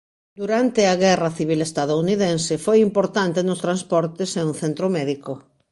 Durante a Guerra Civil Estadounidense foi importante nos transportes e un centro médico.